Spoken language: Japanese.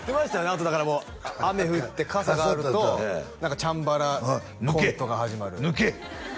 あとだからもう雨降って傘があるとチャンバラコントが始まる「抜け！抜け！」